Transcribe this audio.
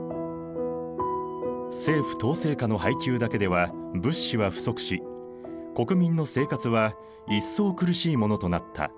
政府統制下の配給だけでは物資は不足し国民の生活は一層苦しいものとなった。